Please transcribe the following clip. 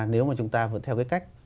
nếu mà chúng ta vẫn theo cái cách